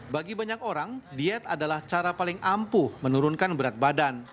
bagi banyak orang diet adalah cara paling ampuh menurunkan berat badan